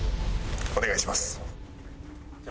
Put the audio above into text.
お願いします。